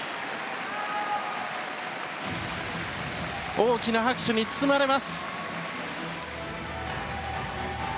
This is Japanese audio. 大きな拍手に包まれます！